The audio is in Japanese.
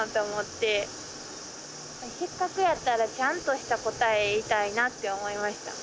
せっかくやったらちゃんとした答え言いたいなって思いました。